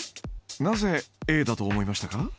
なぜＡだと思いましたか？